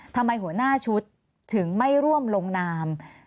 หัวหน้าชุดถึงไม่ร่วมลงนาม